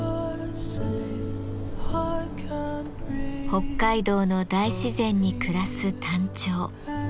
北海道の大自然に暮らすタンチョウ。